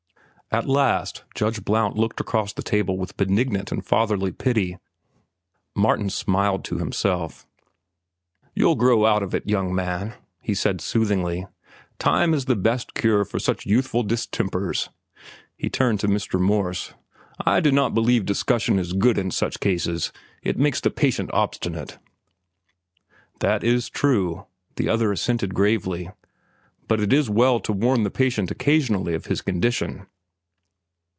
At last Judge Blount looked across the table with benignant and fatherly pity. Martin smiled to himself. "You'll grow out of it, young man," he said soothingly. "Time is the best cure for such youthful distempers." He turned to Mr. Morse. "I do not believe discussion is good in such cases. It makes the patient obstinate." "That is true," the other assented gravely. "But it is well to warn the patient occasionally of his condition."